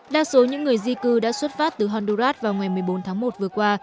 đa số những người di cư đã xuất phát từ honduras vào ngày một mươi bốn tháng một vừa qua